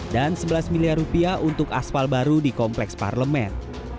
dan sebelas miliar rupiah untuk aspal baru di kompleks parlemen